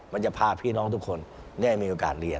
มันจะพาพี่น้องทุกคนได้มีโอกาสเรียน